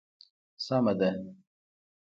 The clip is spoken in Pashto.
سمه ده.